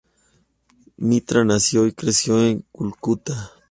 Mitra nació y creció en Calcuta.